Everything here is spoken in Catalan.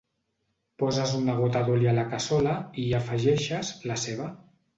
Poses una gota d'oli a la cassola i hi afegeixes la ceba.